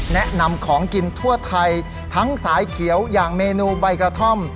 แนะนำของกินทั่วไทยทั้งสายเขียวอย่างเมนูใบกระท่อม